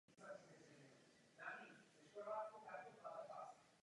Tak vypadá solidarita.